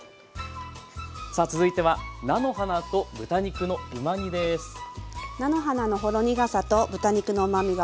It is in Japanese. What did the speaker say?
さあ続いては菜の花のほろ苦さと豚肉のうまみがおいしいサッと煮です。